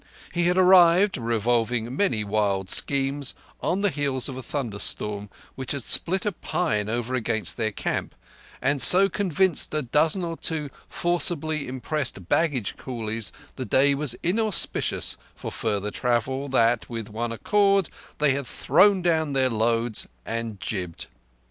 He had arrived, revolving many wild schemes, on the heels of a thunderstorm which had split a pine over against their camp, and so convinced a dozen or two forcibly impressed baggage coolies the day was inauspicious for farther travel that with one accord they had thrown down their loads and jibbed.